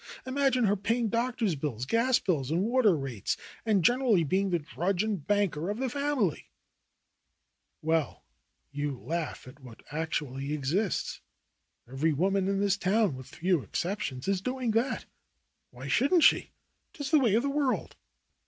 Imagine her paying doctors' bills, gas bills, and water rates, and generally being the drudge and banker of the family !" "Well, you laugh at what actually exists. Every woman in this town, with few exceptions, is doing that. Why shouldn't she ? 'Tis the way of the world."